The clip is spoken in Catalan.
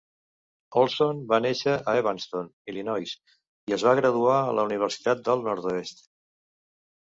Olson va néixer a Evanston, Illinois, i es va graduar a la Universitat del Nord-oest.